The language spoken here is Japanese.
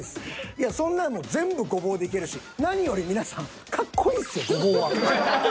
いやそんなんもう全部ゴボウでいけるし何より皆さんかっこいいっすよゴボウは。